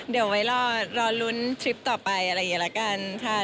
เดี๋ยวไว้รอลุ้นทริปต่อไปอะไรอย่างนี้ละกัน